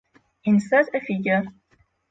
insert a figure